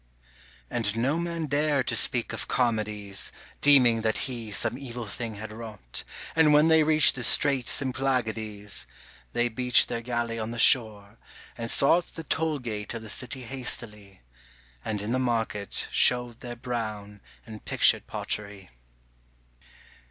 And no man dared to speak of Charmides Deeming that he some evil thing had wrought, And when they reached the strait Symplegades They beached their galley on the shore, and sought The toll gate of the city hastily, And in the market showed their brown and pictured pottery.